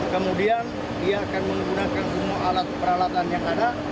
kemudian ia akan menggunakan semua alat peralatan yang ada